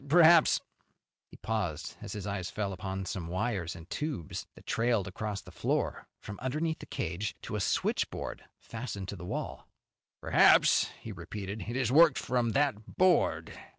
Perhaps " He paused as his eyes fell upon some wires and tubes that trailed across the floor from underneath the cage to a switchboard fastened to the wall. "Perhaps," he repeated, "it is worked from that board."